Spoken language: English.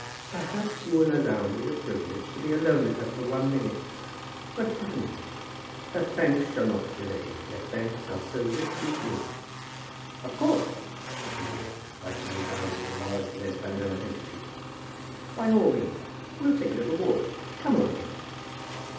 "Perhaps you will allow me the privilege to be alone with her for one minute, but for a minute. Her thanks shall not be delayed, where thanks are so richly due." "Of course," said Toogood, wiping his eyes with a large red bandana handkerchief. "By all means. We'll take a little walk. Come along, major."